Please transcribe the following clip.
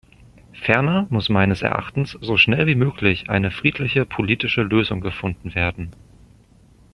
Ferner muss meines Erachtens so schnell wie möglich eine friedliche politische Lösung gefunden werden.